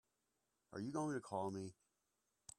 Are you going to call me?